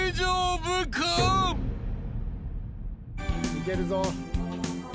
いけるぞ。